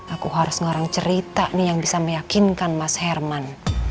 aku harus ngelarang cerita nih yang bisa meyakinkan mas herman